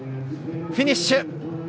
フィニッシュ。